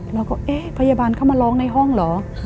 เราก็เอ๊ะพยาบาลเข้ามาร้องในห้องเหรอ